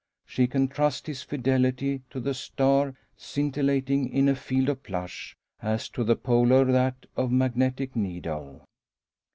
She can trust his fidelity to the star scintillating in a field of plush, as to the Polar that of magnetic needle.